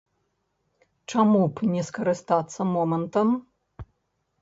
Чаму б не скарыстацца момантам?